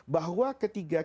bahwa ketiga sholatnya